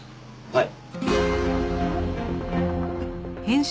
はい。